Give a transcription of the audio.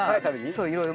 そういろいろ。